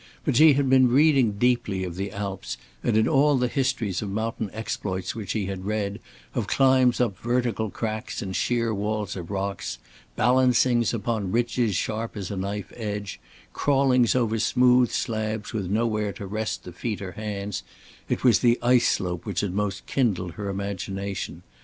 But she had been reading deeply of the Alps, and in all the histories of mountain exploits which she had read, of climbs up vertical cracks in sheer walls of rocks, balancings upon ridges sharp as a knife edge, crawlings over smooth slabs with nowhere to rest the feet or hands, it was the ice slope which had most kindled her imagination.